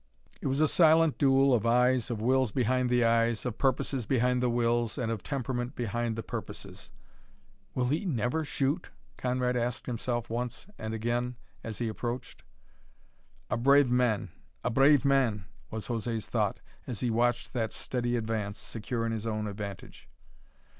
It was a silent duel of eyes, of wills behind the eyes, of purposes behind the wills, and of temperament behind the purposes. "Will he never shoot?" Conrad asked himself once and again as he approached. "A brave man! A brave man!" was José's thought as he watched that steady advance, secure in his own advantage.